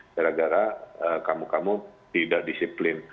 gara gara kamu kamu tidak disiplin